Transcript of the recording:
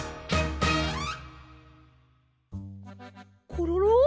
コロロ？